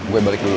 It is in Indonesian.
gue balik dulu